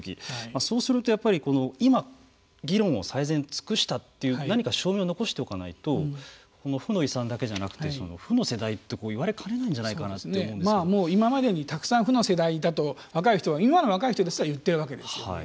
そうすると今、議論を最善尽くしたという何か証明を残しておかないと負の遺産だけじゃなくて負の世代って言われかねないんじゃないかなと今までにたくさん負の世代だと若い人は今の若い人ですら言っているわけですよね。